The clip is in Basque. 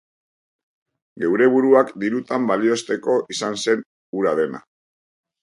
Geure buruak dirutan balioesteko izan zen hura dena.